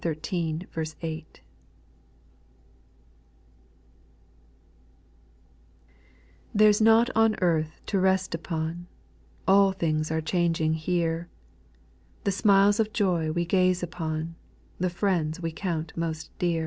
1. ' rriHERE 'S nought on earth to rest upon, J All things are changing here. The smiles of joy we gaze upon, The friends we count moat de«t •.